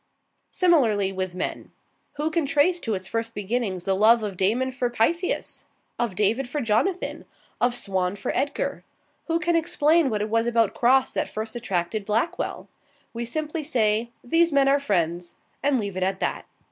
Similarly with men. Who can trace to its first beginnings the love of Damon for Pythias, of David for Jonathan, of Swan for Edgar? Who can explain what it was about Crosse that first attracted Blackwell? We simply say, "These men are friends," and leave it at that.